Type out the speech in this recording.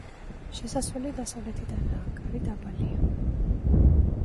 შესასვლელი დასავლეთიდანაა, კარი დაბალია.